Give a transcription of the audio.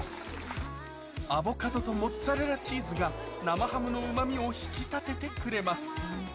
アボカドとモッツァレラチーズが生ハムのうま味を引き立ててくれます